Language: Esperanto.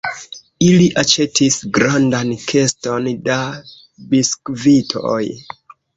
Ili aĉetis grandan keston da biskvitoj.